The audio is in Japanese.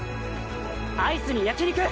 アイスに焼肉！